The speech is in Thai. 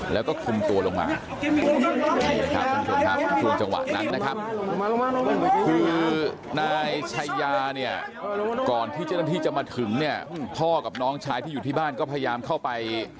แล้วก็คลุมตัวลงมา